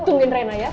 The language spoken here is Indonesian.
tungguin rena ya